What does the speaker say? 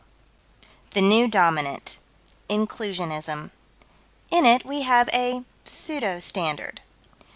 20 The New Dominant. Inclusionism. In it we have a pseudo standard.